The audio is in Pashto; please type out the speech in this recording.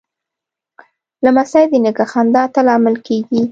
لمسی د نیکه خندا ته لامل کېږي.